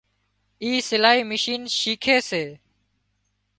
اِي سلائي مِشين شيکي سي